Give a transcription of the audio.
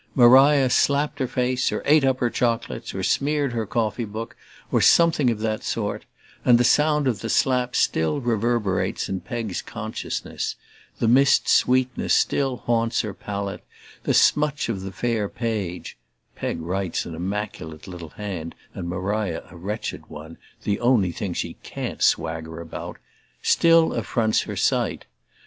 Maria slapped her face, or ate up her chocolates, or smeared her copy book, or something of that sort; and the sound of the slap still reverberates in Peg's consciousness, the missed sweetness still haunts her palate, the smutch of the fair page (Peg writes an immaculate little hand and Maria a wretched one the only thing she can't swagger about) still affronts her sight.